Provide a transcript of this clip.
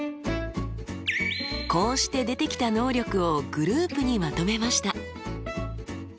こうして出てきた能力をグループにまとめました。